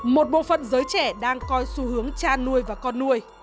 một bộ phận giới trẻ đang coi xu hướng chăn nuôi và con nuôi